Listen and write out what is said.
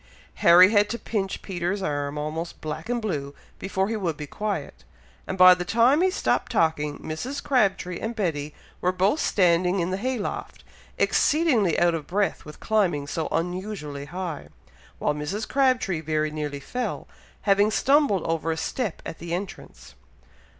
Harry had to pinch Peter's arm almost black and blue before he would be quiet; and by the time he stopped talking, Mrs. Crabtree and Betty were both standing in the hay loft, exceedingly out of breath with climbing so unusually high, while Mrs. Crabtree very nearly fell, having stumbled over a step at the entrance.